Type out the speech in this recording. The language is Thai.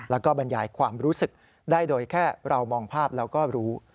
แล้วก็บรรยายความรู้สึกได้โดยแค่เรามองภาพแล้วก็รู้